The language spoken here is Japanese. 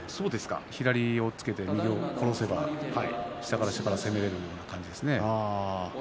左押っつけて右を殺せば下から下から攻められるような感じですね。